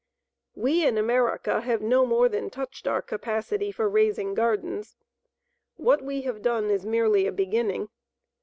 We in America have no more than touched our capacity for raising gardens. What we have done is merely a beginning.